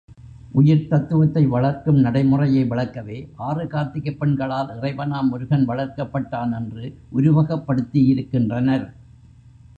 உயிர்த் தத்துவத்தை வளர்க்கும் நடைமுறையை விளக்கவே ஆறு கார்த்திகைப் பெண்களால் இறைவனாம் முருகன் வளர்க்கப்பட்டான் என்று உருவகப்படுத்தியிருக்கின்றனர்.